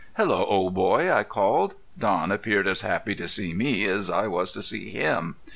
"Hello, old boy!" I called. Don appeared as happy to see me as I was to see him.